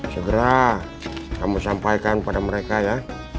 segera kamu sampaikan kepada mereka ya